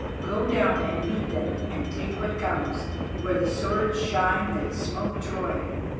Go down and meet them and take what comes, where the swords shine that smote Troy.